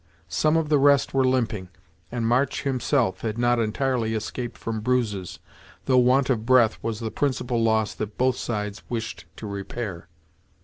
Some of the rest were limping, and March himself had not entirely escaped from bruises, though want of breath was the principal loss that both sides wished to repair.